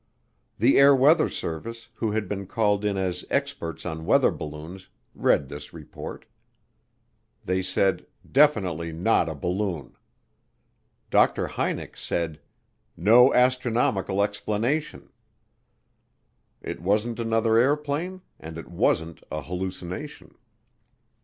The Air Weather Service, who had been called in as experts on weather balloons, read this report. They said, "Definitely not a balloon." Dr. Hynek said, "No astronomical explanation." It wasn't another airplane and it wasn't a hallucination.